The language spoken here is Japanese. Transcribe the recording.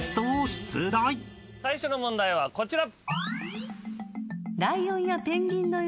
最初の問題はこちら。